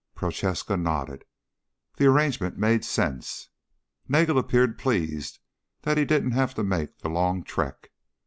Prochaska nodded. The arrangement made sense. Nagel appeared pleased that he didn't have to make the long trek.